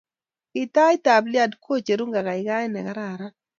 gitait ap lead kocheru kakaikaet nekararan